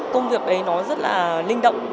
công việc ấy nó rất là linh động